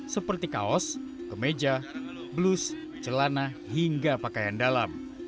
seperti kaos kemeja blus celana hingga pakaian dalam